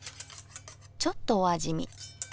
ちょっとお味見。